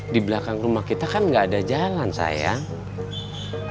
di belakang rumah kita kan nggak ada jalan sayang